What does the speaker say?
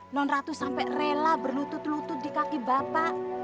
nonratu sampai rela berlutut lutut di kaki bapak